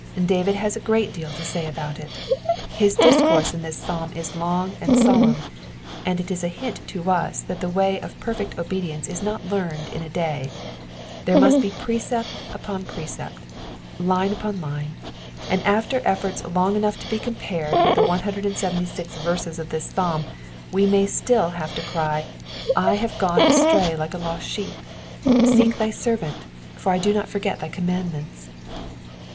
David has a great deal to say about it ; his discourse in this psalm is long and solemn, and it is a hint to us that the way of perfect obedience is not learned in a day ; there must be precept upon precept, line upon line, and after efforts long enough to be compared with the 176 verses of this psalm we may still have to cry, '*I have gone astray like a lost sheep ; seek thy servant ; for I do not forget thy commandments.